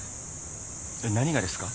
えっ何がですか？